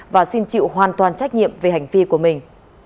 và xin chịu hoàn toàn trách nhiệm về hành vi của mình